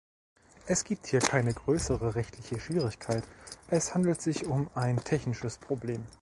Es gibt hier keine größere rechtliche Schwierigkeit, es handelt sich um ein technisches Problem.